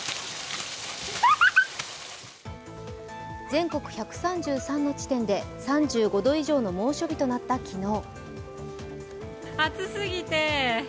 全国１３３の地点で３５度以上の猛暑日となった昨日。